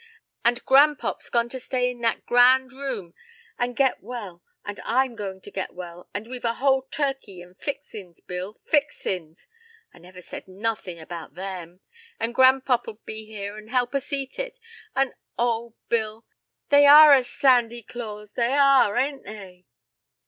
And grandpop's gone to stay in that grand room and get well, and I'm goin' to get well, and we've a whole turkey and fixins, Bill, fixins. I never said nothin' about them. And gran'pop 'll be here an' help us eat it. An', oh, Bill. They are a Sandy Claus, they are, ain't they?"